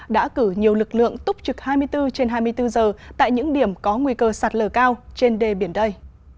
đã cử nhiều lực lượng túc trực hai mươi bốn trên hai mươi bốn giờ tại những điểm có nguy cơ sạt lở cao trên đề biển đây